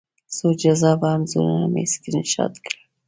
څو جذابه انځورونه مې سکرین شاټ کړل